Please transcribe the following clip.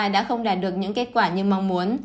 đã không đạt được những kết quả như mong muốn